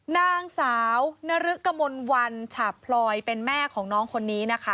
นางสาวนรึกกมลวันฉาบพลอยเป็นแม่ของน้องคนนี้นะคะ